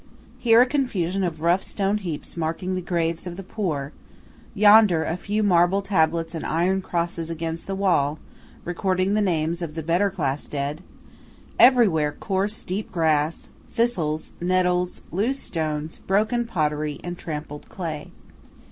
Here a confusion of rough stone heaps marking the graves of the poor– yonder a few marble tablets and iron crosses against the wall, recording the names of the better class dead–everywhere coarse deep grass, thistles, nettles, loose stones, broken pottery and trampled clay.